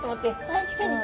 確かに。